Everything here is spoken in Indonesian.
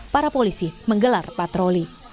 para polisi menggelar patroli